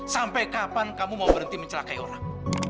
sampai kapan kamu mau berhenti mencelakai orang